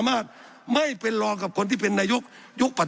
สับขาหลอกกันไปสับขาหลอกกันไป